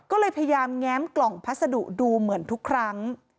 ก็เลยพยายามแง้มกล่องพัสดุดูเหมือนทุกครั้ง